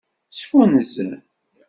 Sfunzer.